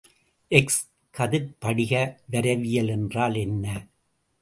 X கதிர்ப்படிக வரைவியல் என்றால் என்ன?